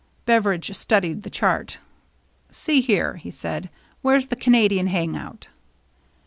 Beveridge studied the chart "See here," he said, "where's the Canadian hangout